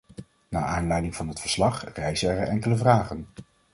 Naar aanleiding van het verslag rijzen er enkele vragen.